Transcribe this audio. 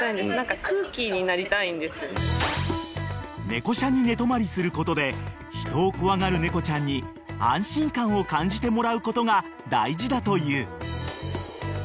［猫舎に寝泊まりすることで人を怖がる猫ちゃんに安心感を感じてもらうことが大事だという］